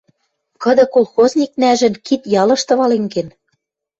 Кыды колхозникнӓжӹн кид-ялышты вален кен.